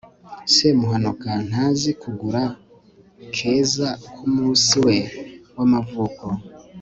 semuhanuka ntazi kugura keza kumunsi we w'amavuko